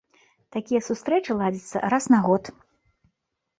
Такія сустрэчы ладзяцца раз на год.